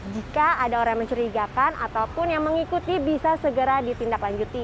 jika ada orang yang mencurigakan ataupun yang mengikuti bisa segera ditindaklanjuti